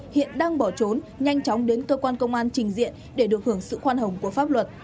hiện đang bỏ trốn nhanh chóng đến cơ quan công an trình diện để được hưởng sự khoan hồng của pháp luật